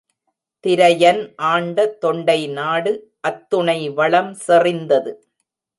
திரையன் ஆண்ட தொண்டை நாடு அத்துணை வளம் செறிந்தது.